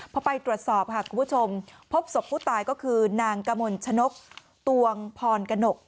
พอไปตรวจสอบค่ะคุณผู้ชมพบศพผู้ตายก็คือนางกมลชนกตวงพรกนก